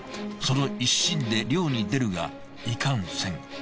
その一心で漁に出るがいかんせん